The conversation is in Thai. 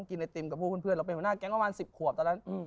กินไอติมกับพวกเพื่อนเราเป็นหัวหน้าแก๊งประมาณ๑๐ขวบตอนนั้น